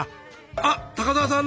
あっ高沢さん